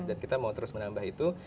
dan kita mau terus menambah itu